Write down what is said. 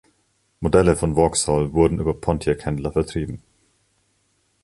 Modelle von Vauxhall wurden über Pontiac-Händler vertrieben.